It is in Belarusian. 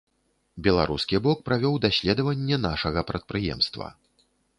Беларускі бок правёў даследаванне нашага прадпрыемства.